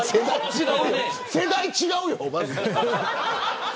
世代が違うよ。